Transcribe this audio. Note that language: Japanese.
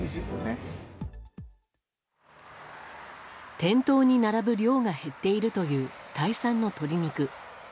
店頭に並ぶ量が減っているというタイ産の鶏肉。